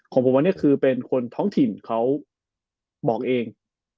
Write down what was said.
ของผมอันนี้คือเป็นคนท้องถิ่นเขาบอกเอง